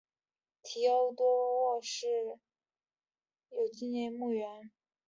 提欧多洛现在在拿坡里拥有一个纪念墓园。